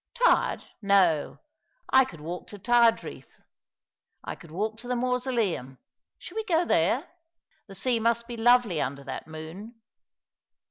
" Tired, no. I could walk to Tywardreath. I could walk to the Mausoleum. Shall we go there? The sea must bo lovely under that moon."